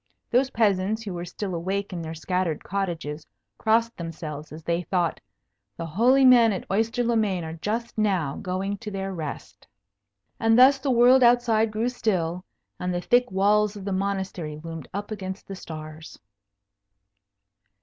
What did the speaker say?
Those peasants who were still awake in their scattered cottages, crossed themselves as they thought, "The holy men at Oyster le Main are just now going to their rest." And thus the world outside grew still, and the thick walls of the Monastery loomed up against the stars.